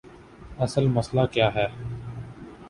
اصل مسئلہ کیا ہے؟